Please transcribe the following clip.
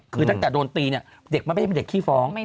คือตั้งแต่โดนตีเนี่ยเด็กมันไม่ได้เป็นเด็กขี้ฟ้อง